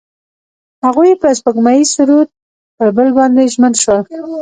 هغوی په سپوږمیز سرود کې پر بل باندې ژمن شول.